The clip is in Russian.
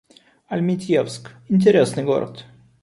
Альметьевск — интересный город